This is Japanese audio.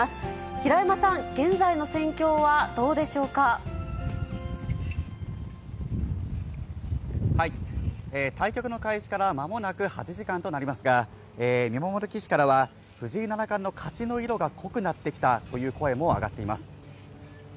平山さん、対局の開始からまもなく８時間となりますが、見守る棋士からは、藤井七冠の勝ちの色が濃くなってきたという声も上がっています。